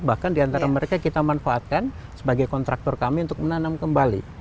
bahkan diantara mereka kita manfaatkan sebagai kontraktor kami untuk menanam kembali